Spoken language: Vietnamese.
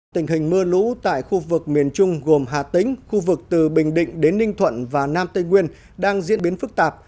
tình hình mưa lũ tại khu vực miền trung gồm hà tĩnh khu vực từ bình định đến ninh thuận và nam tây nguyên đang diễn biến phức tạp